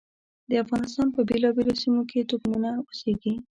د افغانستان په بېلابېلو سیمو کې توکمونه اوسېږي.